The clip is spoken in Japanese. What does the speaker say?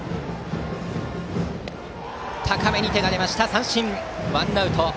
高めに手が出ました三振ワンアウト。